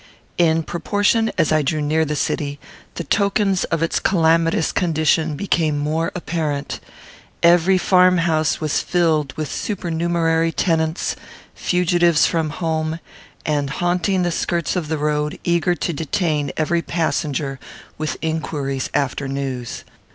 In proportion as I drew near the city, the tokens of its calamitous condition became more apparent. Every farm house was filled with supernumerary tenants, fugitives from home, and haunting the skirts of the road, eager to detain every passenger with inquiries after news.